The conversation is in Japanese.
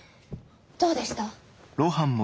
どうでした？